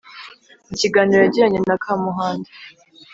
mukiganiro yagiranye na kamuhanda